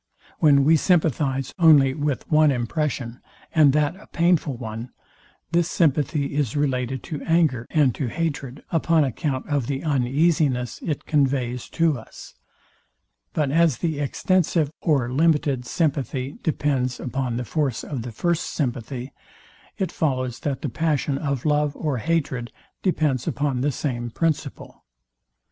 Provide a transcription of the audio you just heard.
When we sympathize only with one impression, and that a painful one, this sympathy is related to anger and to hatred, upon account of the uneasiness it conveys to us. But as the extensive or limited sympathy depends upon the force of the first sympathy; it follows, that the passion of love or hatred depends upon the same principle.